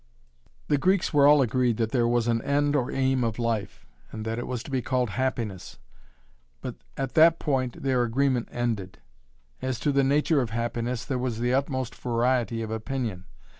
The Greeks were all agreed that there was an end or aim of life, and that it was to be called 'happiness,' but at that point their agreement ended. As to the nature of happiness there was the utmost variety of opinion.